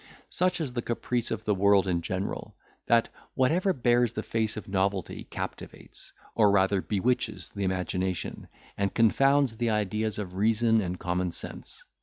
Such is the caprice of the world in general, that whatever bears the face of novelty captivates, or rather bewitches, the imagination, and confounds the ideas of reason and common sense.